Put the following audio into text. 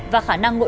và khả năng muộn